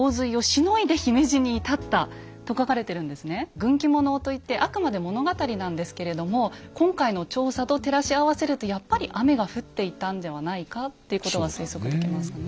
「軍記物」といってあくまで物語なんですけれども今回の調査と照らし合わせるとやっぱり雨が降っていたんではないかっていうことは推測できますよね。